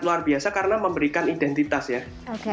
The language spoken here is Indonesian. kalau biaya biaya itu sengajahey sekaligus changes sext weather